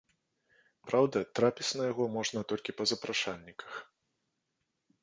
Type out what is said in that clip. Праўда, трапіць на яго можна толькі па запрашальніках.